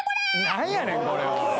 何やねん、これは！